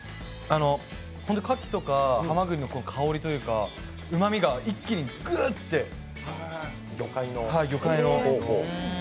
カキとかハマグリの香りというかうまみが一気にぎゅって、魚介の。